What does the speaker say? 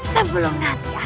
sebelumnya kau lupa